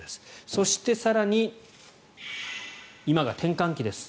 そして更に今が転換期です